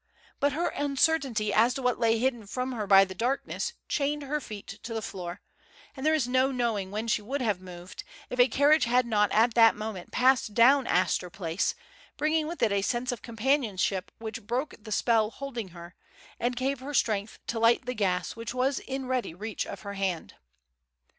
But her uncertainty as to what lay hidden from her by the darkness chained her feet to the floor, and there is no knowing when she would have moved, if a carriage had not at that moment passed down Astor Place, bringing with it a sense of companionship which broke the spell holding her, and gave her strength to light the gas which was in ready reach of her hand.